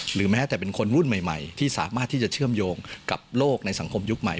หรือแม้แต่เป็นคนรุ่นใหม่ที่สามารถที่จะเชื่อมโยงกับโลกในสังคมยุคใหม่